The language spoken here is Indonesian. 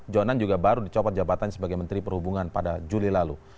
jonan juga baru dicopot jabatan sebagai menteri perhubungan pada juli lalu